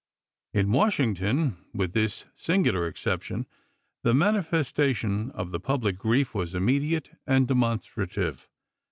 In Washington, with this singular exception, the manifestation of the public grief was immediate and demonstrative.